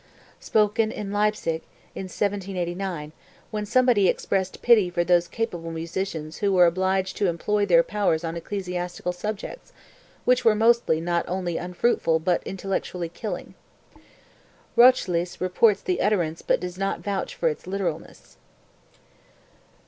(Spoken in Leipsic, in 1789, when somebody expressed pity for those capable musicians who were obliged to "employ their powers on ecclesiastical subjects, which were mostly not only unfruitful but intellectually killing." Rochlitz reports the utterance but does not vouch for its literalness.)